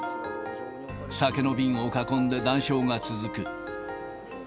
酒の瓶を囲んで談笑が続く。